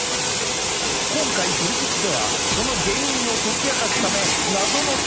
今回「トリセツ」ではその原因を解き明かすため謎の検査現場へ潜入！